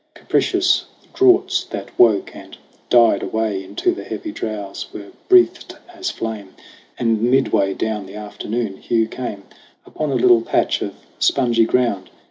Capricious draughts that woke and died away Into the heavy drowse, were breatht as flame. And midway down the afternoon, Hugh came Upon a little patch of spongy ground.